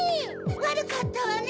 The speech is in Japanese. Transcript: わるかったわね！